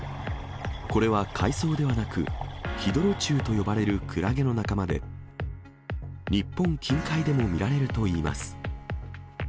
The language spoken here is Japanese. これは海草ではなく、ヒドロ虫と呼ばれるクラゲの仲間で、日本近海でも見られるといいます。